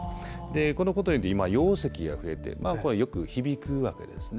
このことによって容積が増えてまあこれ、よく響くわけですね。